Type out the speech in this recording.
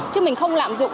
chứ mình không lạm dụng